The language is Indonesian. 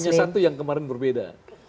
hanya satu yang kemarin berbeda